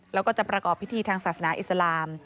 แล้วก็จะประกอบพิธีทางศาสนาอิสลาม